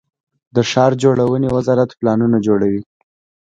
د ښار جوړونې وزارت پلانونه جوړوي